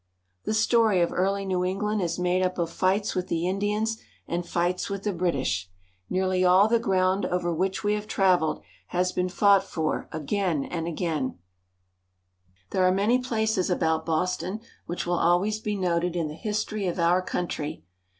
The story of early New England is made up of fights with the Indians and fights with the British. Nearly all the ground over which we have traveled has been fought for again and again. 98 NEW ENGLAND. There are many places about Boston which will always be noted in the history of our country.